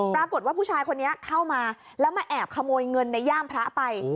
ปรากฏว่าผู้ชายคนนี้เข้ามาแล้วมาแอบขโมยเงินในย่ามพระไป